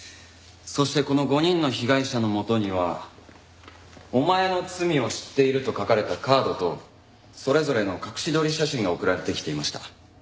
そしてこの５人の被害者のもとには「お前の罪を知っている」と書かれたカードとそれぞれの隠し撮り写真が送られてきていました。